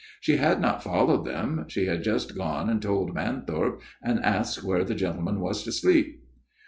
She had not followed them ; she had just gone and told Manthorpe, and asked where the gentleman was to sleep.